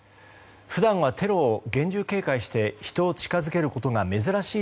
普段はテロを厳重警戒して人を近づけることが珍しい